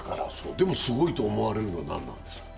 でもすごいと思われるのは、何なんですか？